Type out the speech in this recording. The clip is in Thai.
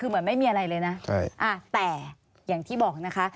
คือเหมือนไม่มีอะไรเลยนะแต่อย่างที่บอกนะคะ